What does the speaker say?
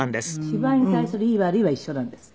芝居に対するいい悪いは一緒なんです。